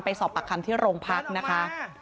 ไปสอบประคันที่โรงพักษณ์นะคะ